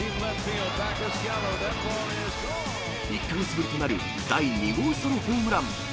１か月ぶりとなる第２号ソロホームラン。